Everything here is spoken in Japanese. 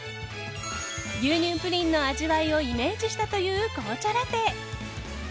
牛乳プリンの味わいをイメージしたという紅茶ラテ。